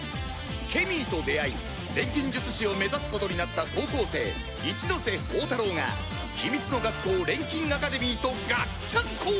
ケミーと出会い錬金術師を目指すことになった高校生一ノ瀬宝太郎が秘密の学校錬金アカデミーとガッチャンコ！